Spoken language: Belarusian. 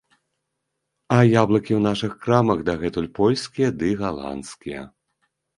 А яблыкі ў нашых крамах дагэтуль польскія ды галандскія.